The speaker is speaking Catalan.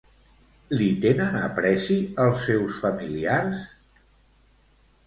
Li tenen apreci els seus familiars?